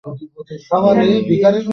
সেখানে গিয়ে দেখা গেল, শাটার লাগানো।